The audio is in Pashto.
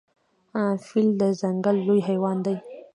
فیل د ځنګل لوی حیوان دی.